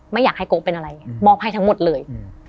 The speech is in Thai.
ไม่อยากให้โก๊เป็นอะไรมอบให้ทั้งหมดเลย